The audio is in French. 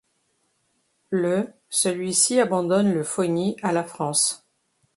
Le celui-ci abandonne le Fogny à la France.